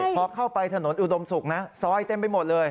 พอเข้าไปถนนอุดมศุกร์นะซอยเต็มไปหมดเลย